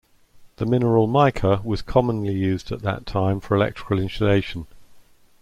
The mineral mica was commonly used at that time for electrical insulation.